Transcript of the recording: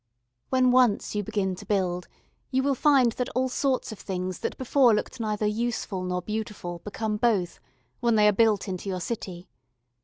When once you begin to build, you will find that all sorts of things that before looked neither useful nor beautiful become both, when they are built into your city.